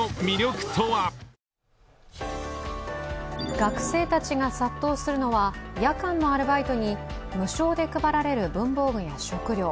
学生たちが殺到するのは夜間のアルバイトに無償で配られる文房具や食料。